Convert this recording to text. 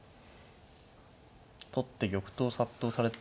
取って玉頭殺到されて。